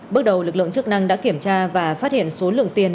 bước đầu lực lượng chức năng đã kiểm tra và phát hiện số lượng tiền